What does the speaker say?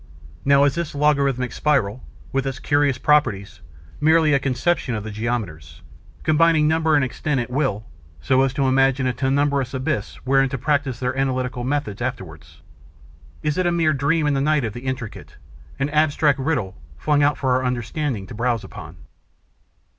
Now is this logarithmic spiral, with its curious properties, merely a conception of the geometers, combining number and extent, at will, so as to imagine a tenebrous abyss wherein to practise their analytical methods afterwards? Is it a mere dream in the night of the intricate, an abstract riddle flung out for our understanding to browse upon?